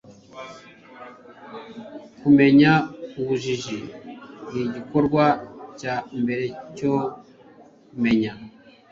kumenya ubujiji nigikorwa cya mbere cyo kumenya